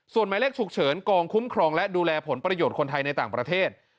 ส่วนหมายเลขฉุกเฉินกองคุ้มครองและดูแลผลประโยชน์คนไทยในต่างประเทศ